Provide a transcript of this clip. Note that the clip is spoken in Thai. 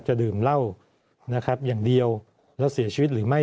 ดื่มเหล้านะครับอย่างเดียวแล้วเสียชีวิตหรือไม่